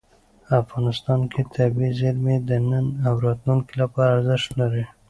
افغانستان کې طبیعي زیرمې د نن او راتلونکي لپاره ارزښت لري.